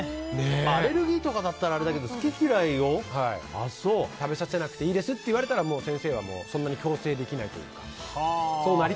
アレルギーとかだったらあれだけど食べさせなくてもいいですって言われたら、先生はそんなに強制できないというか。